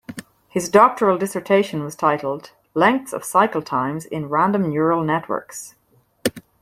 His doctoral dissertation was titled "Lengths of Cycle Times in Random Neural Networks".